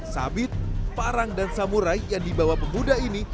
sabit parang dan samurai yang dibawa pemuda ini